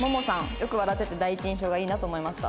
よく笑ってて第一印象がいいなと思いました。